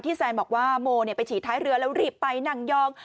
แซนบอกว่าโมไปฉี่ท้ายเรือแล้วรีบไปนั่งยอง